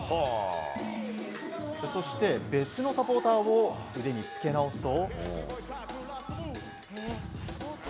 そして別のサポーターを腕につけ直すと。